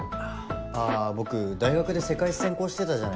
あぁ僕大学で世界史専攻してたじゃないですか。